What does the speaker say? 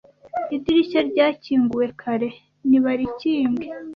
idirishya ryakinguwe kare nibarikinge